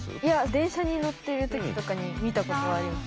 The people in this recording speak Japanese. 電車に乗っている時とかに見たことあります。